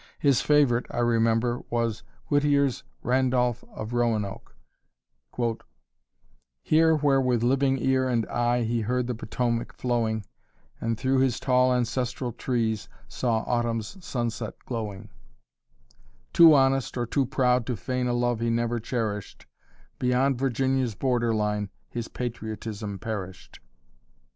His favorite, I remember, was Whittier's "Randolph of Roanoke:" "Here where with living ear and eye He heard Potomac flowing, And through his tall ancestral trees Saw Autumn's sunset glowing; "Too honest or too proud to feign A love he never cherished, Beyond Virginia's border line His patriotism perished.